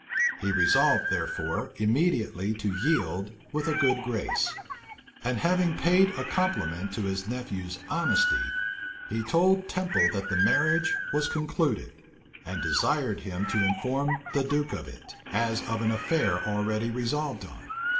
He resolved, therefore, immediately to yield with a good grace; and having paid a compliment to his nephew's honesty, he told Temple that the marriage was concluded, and desired him to inform the duke of it, as of an affair already resolved on.